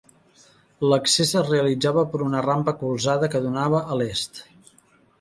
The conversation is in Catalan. L'accés es realitzava per una rampa colzada que donava a l'est.